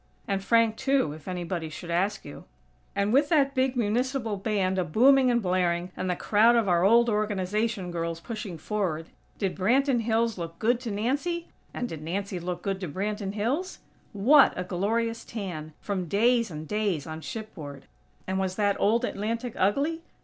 (And Frank, too, if anybody should ask you.) And with that big Municipal Band a booming and blaring, and the crowd of our old Organization girls pushing forward, did Branton Hills look good to Nancy? And did Nancy look good to Branton Hills? What a glorious tan, from days and days on shipboard! And was that old Atlantic ugly?